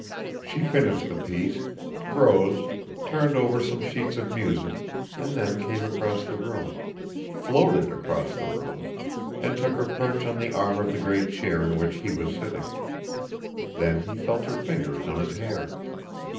She finished the piece, rose, turned over some sheets of music and then came across the room floated across the room, and took her perch on the arm of the great chair in which he was sitting. Then he felt her fingers on his hair.